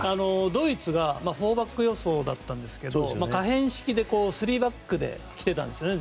ドイツは４バック予想だったんですけど可変式で３バックで来てたんですね